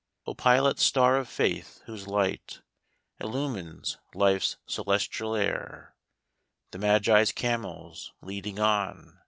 O Pilot Star of Faith, whose light Illumines life's celestial air ; The Magi's camels leading on.